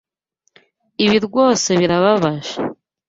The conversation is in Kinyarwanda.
Ibi rwose birababaje.